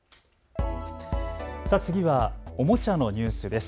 次はおもちゃのニュースです。